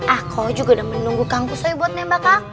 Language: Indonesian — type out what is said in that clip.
aku juga udah menunggu kang kusoy buat nembak aku